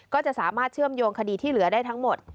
ก็จะสามารถเชื่อมโยงคดีที่เหลือได้ทั้งหมด